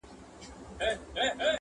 له آمو تر اباسینه وطن بولي.!